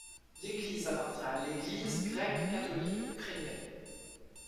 L'église appartient à l’Église grecque-catholique ukrainienne.